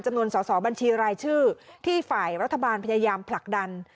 นสอสอบัญชีรายชื่อที่ฝ่ายรัฐบาลพยายามผลักดัน